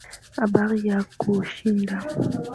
Habari ya kushinda